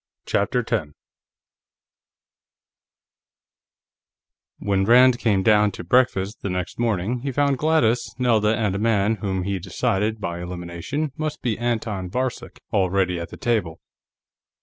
CHAPTER 10 When Rand came down to breakfast the next morning, he found Gladys, Nelda, and a man whom he decided, by elimination, must be Anton Varcek, already at the table.